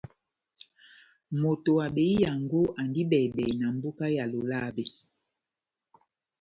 Moto wa behiyango andi bɛhi-bɛhi na mboka ya Lolabe.